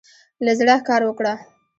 له زړۀ کار وکړه.